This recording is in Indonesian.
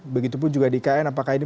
begitupun juga di ikn apakah ini